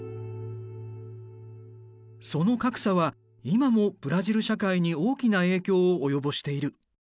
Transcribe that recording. その格差は今もブラジル社会に大きな影響を及ぼしている。